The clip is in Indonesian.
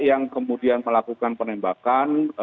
yang kemudian melakukan penembakan